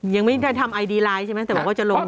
ยังไม่ได้ทำไอดีไลน์ใช่ไหมแต่ว่าก็จะลงทางนั้น